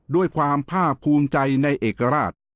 ด้วยความภาคภูมิใจในเอกราช